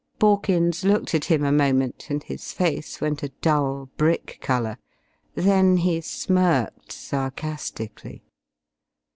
Borkins looked at him a moment, and his face went a dull brick colour. Then he smirked sarcastically.